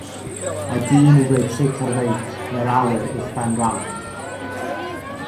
Mae dyn yn gwneud tric ar feic yn yr awyr uwchben ramp.